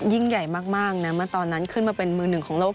ยิ่งใหญ่มากนะเมื่อตอนนั้นขึ้นมาเป็นมือหนึ่งของโลก